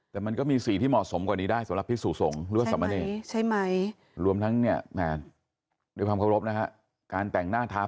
แต่มันก็มีสีที่เหมาะสมกว่านี้ได้สำหรับพี่สู่สงนั่งด้วยร่วมทั้งเนรนก็ไม่เหมาะ